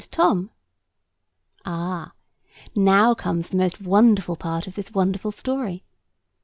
And Tom? Ah, now comes the most wonderful part of this wonderful story.